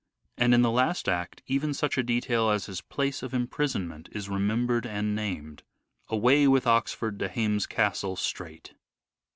And, in the last act, even such a detail as his place of imprisonment is remembered and named :" Away with Oxford to Hames Castle straight."